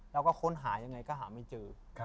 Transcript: เราก็ค้นหายังไงก็หาไม่เจอ